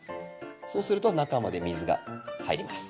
そうすると中まで水が入ります。